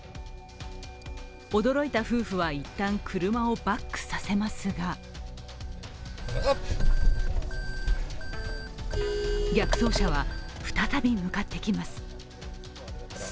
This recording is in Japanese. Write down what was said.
驚いた夫婦は一旦車をバックさせますが逆走車は再び向かってきます。